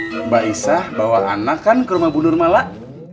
mbak isah bawa anak kan ke rumah bu nur malah